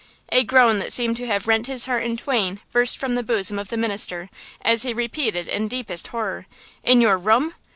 A groan that seemed to have rent his heart in twain burst from the bosom of the minister, as he repeated in deepest horror: "In your room!